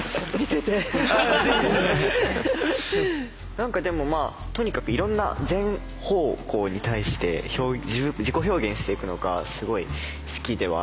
何かでもとにかくいろんな全方向に対して自己表現していくのがすごい好きではあるんですよね。